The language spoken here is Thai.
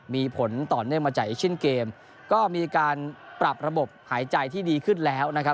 มีผลต่อเนื่องมาจากเอเชียนเกมก็มีการปรับระบบหายใจที่ดีขึ้นแล้วนะครับ